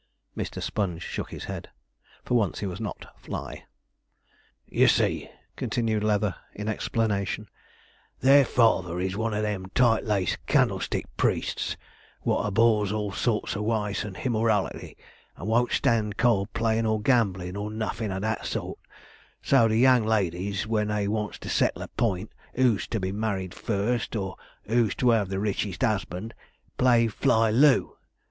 Mr. Sponge shook his head. For once he was not 'fly.' 'You see,' continued Leather, in explanation, 'their father is one of them tight laced candlestick priests wot abhors all sorts of wice and himmorality, and won't stand card playin', or gamblin', or nothin' o' that sort, so the young ladies when they want to settle a point, who's to be married first, or who's to have the richest 'usband, play fly loo.